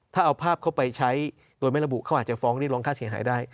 ถ้าเอาภาพเข้าไปใช้โดยไม่ระบุเขาอาจจะฟ้องเรียกร้องค่าเสียหายได้